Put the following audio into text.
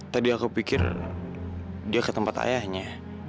tadi aku pikir dia ke tempat ayahnya